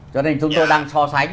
cho nên chúng tôi đang so sánh